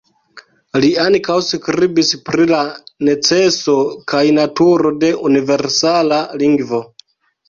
Li ankaŭ skribis pri la neceso kaj naturo de universala lingvo.